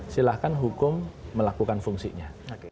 silahkan hukum melakukan fungsinya